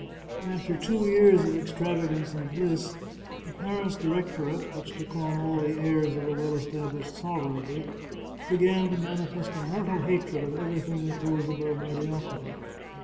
After two years of extravagance and bliss, the Paris Di rectorate, which took on all the airs of a well established sovereignty, began to manifest a mortal hatred of everything that rose above mediocrity.